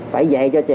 phải dạy cho trẻ